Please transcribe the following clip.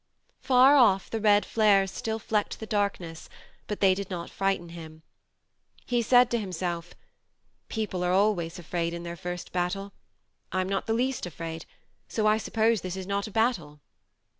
Far off the red flares still flecked the darkness, but they did not frighten him. He said to himself :" People are always afraid in their first battle. I'm not the least afraid, so I suppose this is not a battle